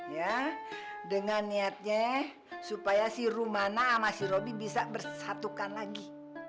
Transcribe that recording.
ya dengan niatnya supaya si rumana sama si roby bisa bersatukan lagi